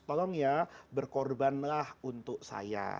tolong ya berkorbanlah untuk saya